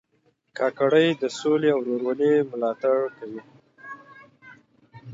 کاکړي د سولې او ورورولۍ ملاتړ کوي.